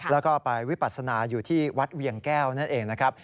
แล้วก็ไปวิปัสนาอยู่ที่วัดเวียงแก้วนั่นเองนะครับ